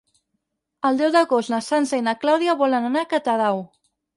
El deu d'agost na Sança i na Clàudia volen anar a Catadau.